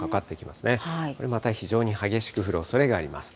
また非常に激しく降るおそれがあります。